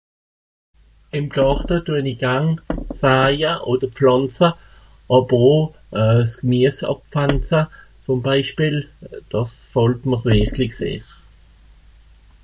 Ìm Gàrte düe-n-i garn saïa odder pflànza, (...) s'Gemies àbpflànza, zùm Beispiel. Dàs gfàllt mr wìrklig sehr.